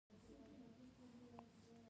دولت به تر هغه وخته پورې نصاب نوی کوي.